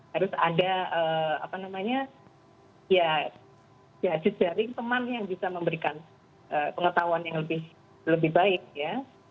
harus ada apa namanya ya jejaring teman yang bisa memberikan pengetahuan yang lebih baik ya